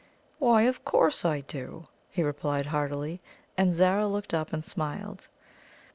"Why, of course I do!" he replied heartily; and Zara looked up and smiled.